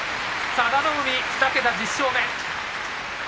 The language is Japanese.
佐田の海、２桁１０勝目。